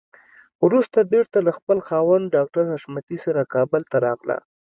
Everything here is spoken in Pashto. وروسته بېرته له خپل خاوند ډاکټر حشمتي سره کابل ته راغله.